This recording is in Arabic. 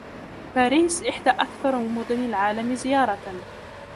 باريس إحدى أكثر مدن العالم زيارةً.